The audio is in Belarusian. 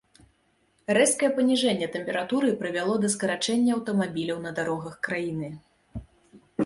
Рэзкае паніжэнне тэмпературы прывяло да скарачэння аўтамабіляў на дарогах краіны.